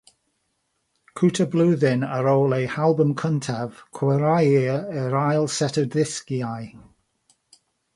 Cwta blwyddyn ar ôl eu halbwm cyntaf chwaraeir yr ail set o ddisgiau.